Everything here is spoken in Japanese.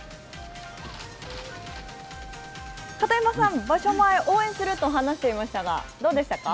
片山さん、場所前、応援すると話していましたが、どうでしたか？